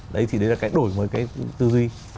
đấy thì đấy là cái đổi mới cái tư duy